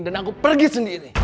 dan aku pergi sendiri